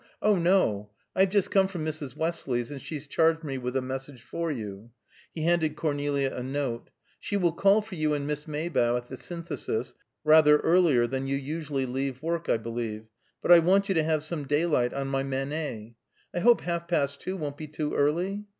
"Oh, no! I've just come from Mrs. Westley's, and she's charged me with a message for you." He handed Cornelia a note. "She will call for you and Miss Maybough at the Synthesis rather earlier than you usually leave work, I believe, but I want you to have some daylight on my Manet. I hope half past two won't be too early?"